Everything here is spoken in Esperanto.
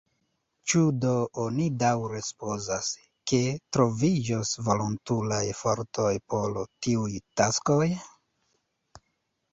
Ĉu do oni daŭre supozas, ke troviĝos volontulaj fortoj por tiuj taskoj?